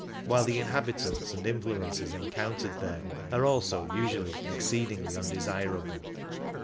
17 while the inhabitants and influences encountered there are also usually exceedingly undesirable.